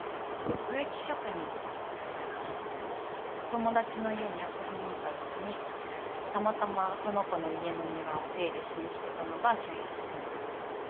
友達の家に遊びに行ったときにたまたまその子の家の庭を手入れしに来てたのが俊也でさ。